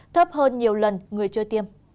thấp hơn nhiều lần người chưa tiêm